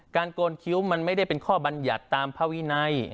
โกนคิ้วมันไม่ได้เป็นข้อบรรยัติตามภาวินัย